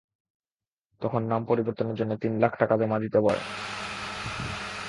তখন নাম পরিবর্তনের জন্য তিন লাখ টাকা জমা দিতে বলা হয়।